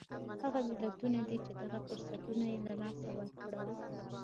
هغه ملتونه دي چې دغه فرصتونه یې له لاسه ورکړل.